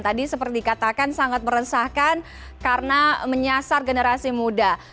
tadi seperti dikatakan sangat meresahkan karena menyasar generasi muda